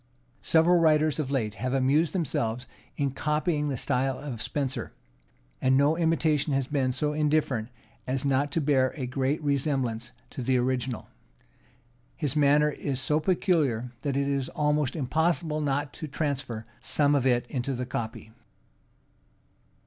Several writers of late have amused themselves in copying the style of Spenser; and no imitation has been so indifferent as not to bear a great resemblance to the original: his manner is so peculiar that it is almost impossible not to transfer some of it into the copy.